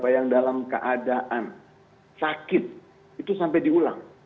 yang dalam keadaan sakit itu sampai diulang